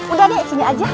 udah deh sini aja